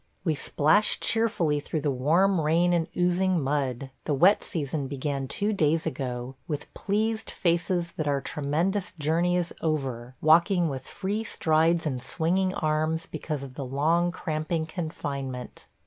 We splash cheerfully through the warm rain and oozing mud – the wet season began two days ago – with pleased faces that our tremendous journey is over, walking with free strides and swinging arms because of the long, cramping confinement.